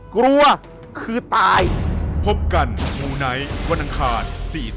กลัวคือตาย